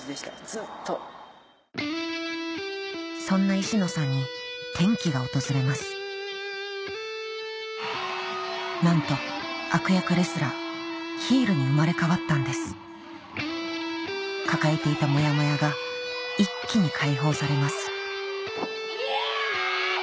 そんな石野さんになんと悪役レスラーヒールに生まれ変わったんです抱えていたモヤモヤが一気に解放されますヤァ！